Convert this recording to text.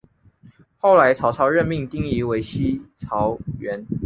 后来曹操任命丁仪为西曹掾。